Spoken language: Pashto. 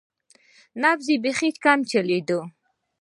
نبض یې بیخي کم چلیده.